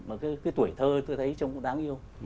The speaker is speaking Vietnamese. mà cái tuổi thơ tôi thấy trông cũng đáng yêu